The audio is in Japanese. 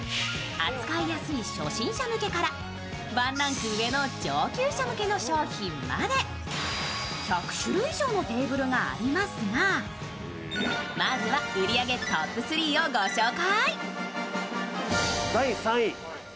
扱いやすい初心者向けからワンランク上の上級者向けの商品まで１００種類以上のテーブルがありますがまずは売り上げトップ３をご紹介。